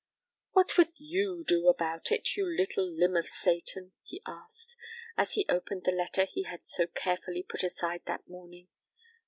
"What would you do about it, you little limb of Satan?" he asked, as he opened the letter he had so carefully put aside that morning.